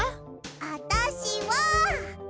あたしは。